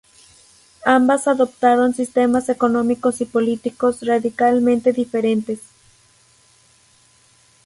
Ambas adoptaron sistemas económicos y políticos radicalmente diferentes.